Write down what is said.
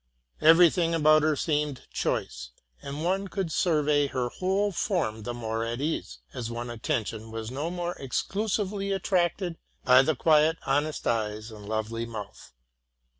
Every thing about her seemed choice ; and one could survey her whole form the more at ease, as one's attention was no more exclusively attracted and fettered by the quiet, honest eyes and lovely mouth.